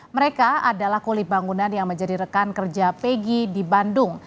mereka adalah kulit bangunan yang menjadi rekan kerja peggy di bandung